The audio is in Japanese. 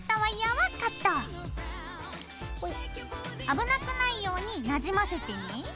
危なくないようになじませてね。